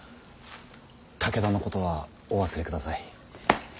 武田のことはお忘れください。